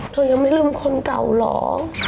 เธอยังไม่ลืมคนเก่าเหรอ